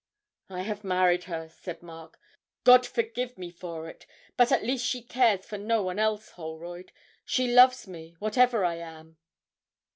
'I have married her,' said Mark; 'God forgive me for it! But at least she cares for no one else, Holroyd. She loves me whatever I am!'